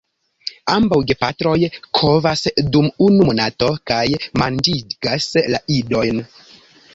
Ambaŭ gepatroj kovas dum unu monato kaj manĝigas la idojn.